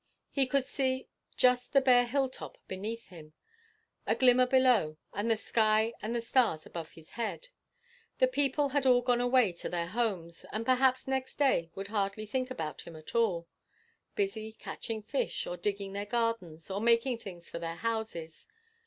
He could see just the bare hilltop beneath him, a glimmer below, and the sky and the stars over his head. The people had all gone away to their own homes, and perhaps next day would hardly think about him at all, busy catching fish, or digging their gardens, or making things for their houses.